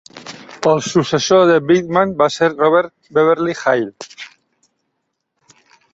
El successor de Bridgman va ser Robert Beverly Hale.